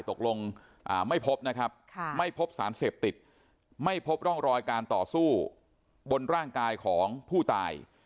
ตกลงไม่พบนะครับไม่พบสารเสพติดไม่พบร่องรอยการต่อสู้บนร่างกายของผู้ตาย